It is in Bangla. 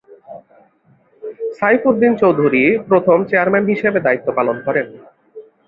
সাইফউদ-দীন চৌধুরীপ্রথম চেয়ারম্যান হিসেবে দায়িত্ব পালন করেন।